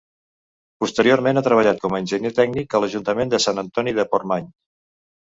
Posteriorment ha treballat com a enginyer tècnic a l'ajuntament de Sant Antoni de Portmany.